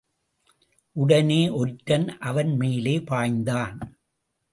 உடனே ஒற்றன் அவன் மேலே பாய்ந்தான்.